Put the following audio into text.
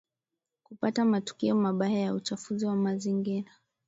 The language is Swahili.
hupata matukio mabaya ya uchafuzi wa mazingira